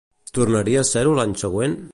Tornaria a ser-ho l'any següent?